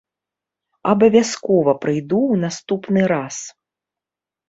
Абавязкова прыйду ў наступны раз.